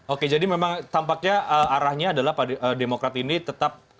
oke jadi memang tampaknya arahnya adalah pak demokrat ini tetap